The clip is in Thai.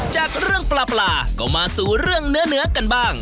จากเรื่องปลาปลาก็มาสู่เรื่องเนื้อกันบ้าง